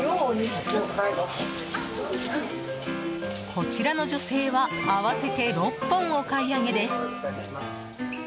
こちらの女性は合わせて６本お買い上げです。